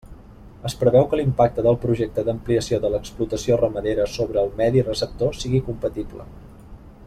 Es preveu que l'impacte del Projecte d'ampliació de l'explotació ramadera sobre el medi receptor sigui compatible.